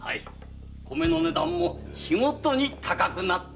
米の値段も日ごとに高くなっております。